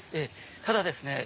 ただですね